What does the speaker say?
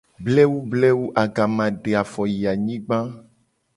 Blewu blewu agama de afo yi anyigba :